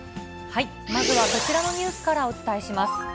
まずはこちらのニュースからお伝えします。